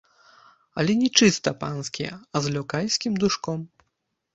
Але не чыста панскі, а з лёкайскім душком.